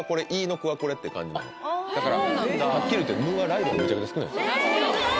だからはっきり言って「ぬ」はライバルめちゃくちゃ少ないんですよえスゴい！